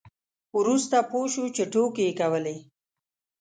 وروسته پوه شو چې ټوکې یې کولې.